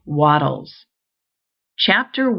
WATTLES. CHAPTER I.